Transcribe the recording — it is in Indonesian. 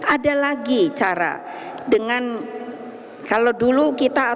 ada lagi cara dengan kalau dulu kita